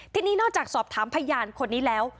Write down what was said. ทีนี้นอกจากสอบถามพยานคนนี้แล้ว